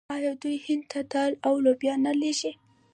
آیا دوی هند ته دال او لوبیا نه لیږي؟